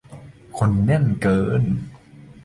แค่คนแน่นเกิน